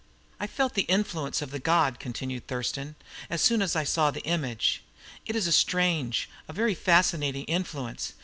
"I felt the influence of the god," continued Thurston, "as soon as I saw the image. It is a strange, a very fascinating influence.